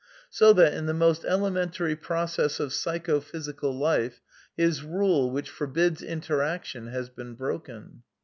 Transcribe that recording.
So that, in the most elementary process of psycho physical life, his rule which forbids interaction has been broken.